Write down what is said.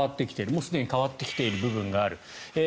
もうすでに変わってきている部分がある。